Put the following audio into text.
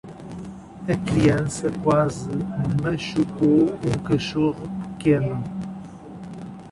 A criança quase machucou um cachorro pequeno.